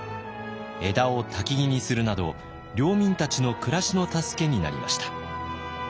枝をたきぎにするなど領民たちの暮らしの助けになりました。